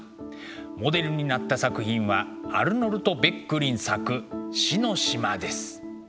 モデルになった作品はアルノルト・ベックリン作「死の島」です。